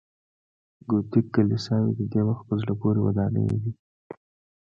ګوتیک کلیساوې د دې وخت په زړه پورې ودانۍ دي.